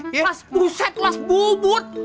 kelas buset kelas bubut